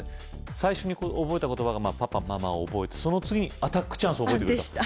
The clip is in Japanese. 最初に覚えた言葉が「パパ」「ママ」覚えてその次に「アタックチャンス」覚えてくれたでした